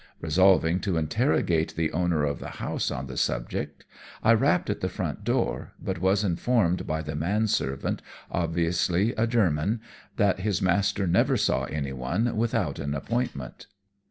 Resolving to interrogate the owner of the house on the subject, I rapped at the front door, but was informed by the manservant, obviously a German, that his master never saw anyone without an appointment.